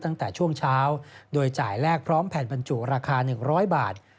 ตั้งแต่ช่วงเช้าโดยจ่ายแรกพร้อมแผ่นบรรจุราคา๑๐๐บาท